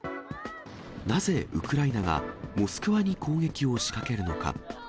なぜ、ウクライナがモスクワに攻撃を仕掛けるのか。